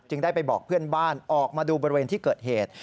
ได้ไปบอกเพื่อนบ้านออกมาดูบริเวณที่เกิดเหตุ